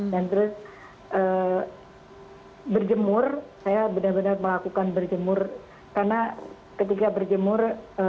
dan terus berjemur saya benar benar melakukan berjemur karena ketika berjemur